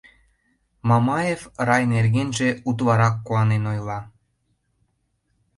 Мамаев рай нергенже утларак куанен ойла.